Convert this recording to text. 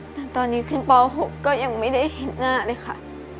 จนตอนนี้ขึ้นป๖ก็ยังไม่ได้เห็นหน้าเลยค่ะ